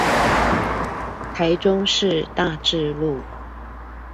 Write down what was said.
台中市大智路